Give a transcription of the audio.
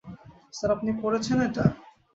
Sir, আপনি পড়েছেন এটা?